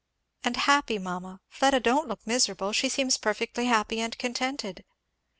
"And happy, mamma Fleda don't look miserable she seems perfectly happy and contented!"